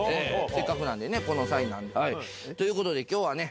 せっかくなんでこの際なんで。ということで今日はね。